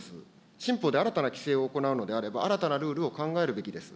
新法で新たな規制を行うのであれば、新たなルールを考えるべきです。